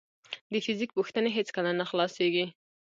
د فزیک پوښتنې هیڅکله نه خلاصېږي.